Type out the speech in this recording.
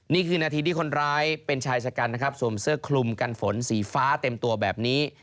นี่คือนาทีที่คนร้ายเป็นชายชะกันนะครับสวมเสื้อคลุมกันฝนสีฟ้าเต็มตัวแบบนี้